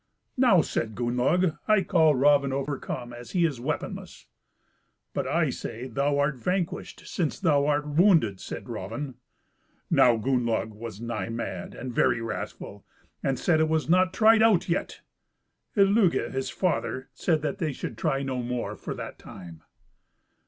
"Now," said Gunnlaug, "I call Raven overcome, as he is weaponless." "But I say that thou art vanquished, since thou art wounded," said Raven. Now, Gunnlaug was nigh mad, and very wrathful, and said it was not tried out yet. Illugi, his father, said they should try no more for that time.